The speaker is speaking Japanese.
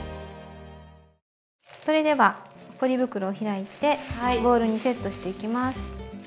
それではポリ袋を開いてボウルにセットしていきます。